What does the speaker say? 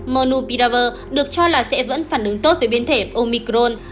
monopiravir được cho là sẽ vẫn phản ứng tốt với biến thể omicron